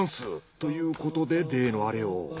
ということで例のアレを。